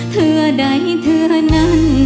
เธอใดเธอนั้น